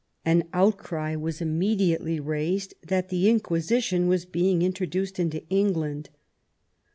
An outcry was immediately raised that the Inquisition was being introduced into England.